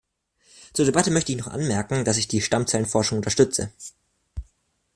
Zur Debatte möchte ich noch anmerken, dass ich die Stammzellenforschung unterstütze.